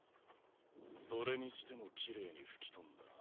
それにしても奇麗に吹き飛んだな。